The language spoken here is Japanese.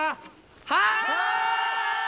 はい！